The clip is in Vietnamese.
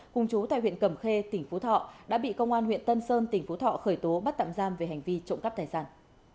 cùng chú tại huyện cầm khê tỉnh phú thọ đã bị công an huyện tân sơn tỉnh phú thọ khởi tố bắt tạm giam về hành vi trộm cắp tài sản